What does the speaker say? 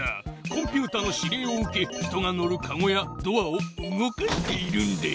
コンピュータの指令を受け人が乗るかごやドアを動かしているんだ。